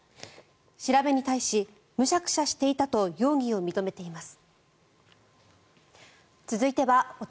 調べに対しむしゃくしゃしていたと容疑を認めています。